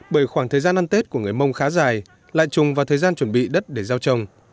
bởi khoảng thời gian ăn tết của người mông khá dài lại trùng vào thời gian chuẩn bị đất để gieo trồng